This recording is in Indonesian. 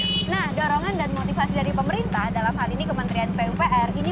nah dorongan dan motivasi dari pemerintah dalam hal ini kementerian pupr ini